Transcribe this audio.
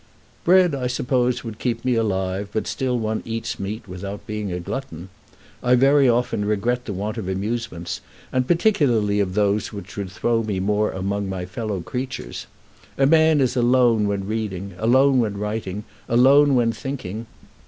"Bread, I suppose, would keep me alive, but still one eats meat without being a glutton. I very often regret the want of amusements, and particularly of those which would throw me more among my fellow creatures. A man is alone when reading, alone when writing, alone when thinking.